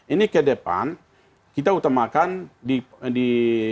ini ke depan kita utamakan di